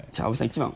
１番